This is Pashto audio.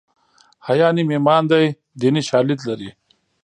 حیا نیم ایمان دی دیني شالید لري